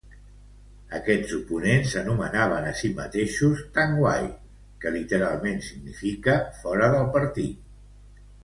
Aquests oponents s'anomenaven a si mateixos "Tangwai", que literalment significa "fora del partit".